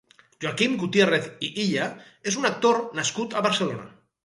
Joaquim Gutiérrez i Ylla és un actor nascut a Barcelona.